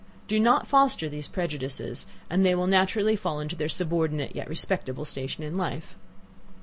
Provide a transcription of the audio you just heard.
Do not foster these prejudices, and they will naturally fall into their subordinate, yet respectable station in life.